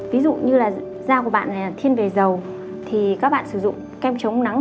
ví dụ như da của bạn là thiên về dầu thì các bạn sử dụng kem chống nắng